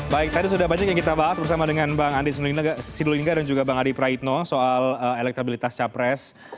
baik tadi sudah banyak yang kita bahas bersama dengan bang andi sidulingga dan juga bang adi praitno soal elektabilitas capres